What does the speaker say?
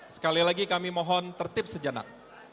sekali lagi kami mohon tertib sejenak